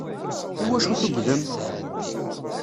Iwacu tugdem?